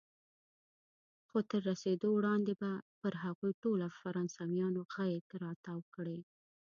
خو تر رسېدو وړاندې به پر هغوی ټولو فرانسویان غېږ را تاو کړي.